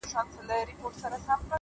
زه ، ته او سپوږمۍ،